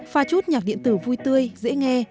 pha chút nhạc điện tử vui tươi dễ nghe